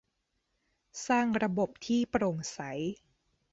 สร้างระบบที่โปร่งใส